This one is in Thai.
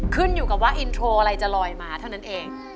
ขึ้นอยู่กับว่าอินโทรอะไรจะลอยมาเท่านั้นเอง